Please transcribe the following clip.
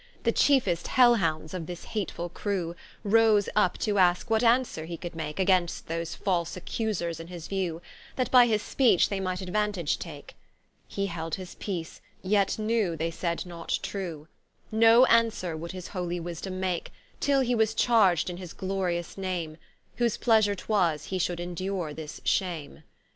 The chiefest Hel hounds of this hatefull crew, Rose vp to aske what answere he could make, Against those false accusers in his view; That by his speech, they might aduantage take: He held his peace, yet knew they said not true, No answere would his holy wisdome make, Till he was charged in his glorious name, Whose pleasure 'twas he should endure this shame.